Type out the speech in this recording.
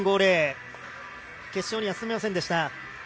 ７．５０決勝には進めませんでした。